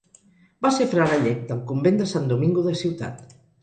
Va ser frare llec del Convent de Sant Domingo de Ciutat.